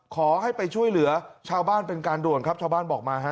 ขอให้ไปช่วยเหลือชาวบ้านเป็นการด่วนครับชาวบ้านบอกมาฮะ